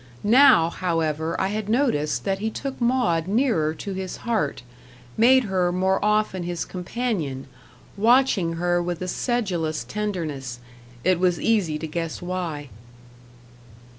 Now, however, I had noticed that he took Maud nearer to his heart, made her more often his companion, watching her with a sedulous tenderness it was easy to guess why.